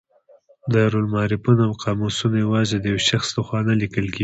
دایرة المعارفونه او قاموسونه یوازې د یو شخص له خوا نه لیکل کیږي.